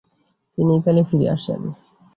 তিনি ইতালি ফিরে আসেন।